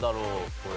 これ。